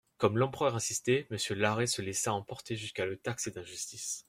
Comme l'empereur insistait, Monsieur Larrey se laissa emporter jusqu'à le taxer d'injustice.